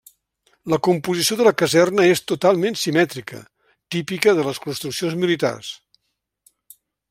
La composició de la caserna és totalment simètrica, típica de les construccions militars.